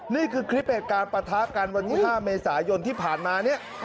นี่เป็นคลิปเหตุการประทาการวัน๕เมษายนที่ผ่านมา